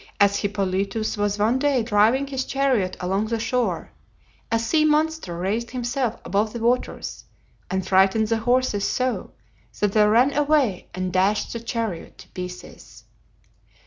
As Hippolytus was one day driving his chariot along the shore, a sea monster raised himself above the waters, and frightened the horses so that they ran away and dashed the chariot to pieces.